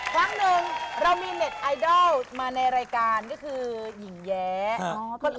ครั้งหนึ่งเรามีเน็ตไอดอลมาในรายการก็คือหญิงแย้